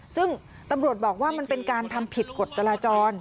ซึ่งตำรวจบอกว่ามันเป็นการทำผิดกฎจราจร